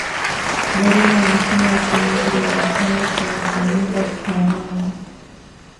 Dorina alisema uchomaji wa moto hufanyika kitaalamu